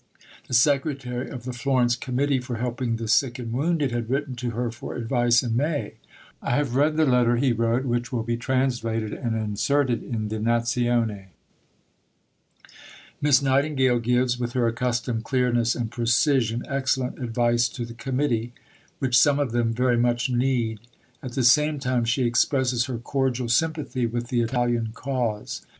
The Secretary of the "Florence Committee for helping the Sick and Wounded" had written to her for advice in May. Her reply caused great delight, as an English correspondent at Florence recorded. "I have read the letter," he wrote, "which will be translated and inserted in the Nazione. Miss Nightingale gives, with her accustomed clearness and precision, excellent advice to the Committee, which some of them very much need. At the same time she expresses her cordial sympathy with the Italian cause.